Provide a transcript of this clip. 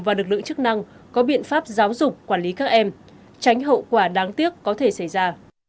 và lực lượng chức năng có biện pháp giáo dục quản lý các em tránh hậu quả đáng tiếc có thể xảy ra